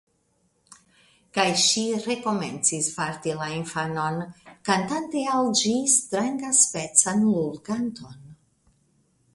Kaj ŝi rekomencis varti la infanon, kantante al ĝi strangaspecan lulkanton.